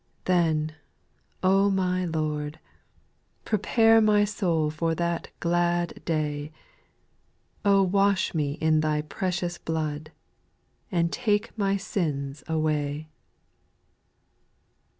Then, O my Lord, prepare My soul for that glad day ; O wash me in Thy precious blood, And take my sins away.